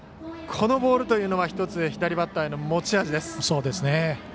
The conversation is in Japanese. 今のボールというのは１つ左バッターへの持ち味です。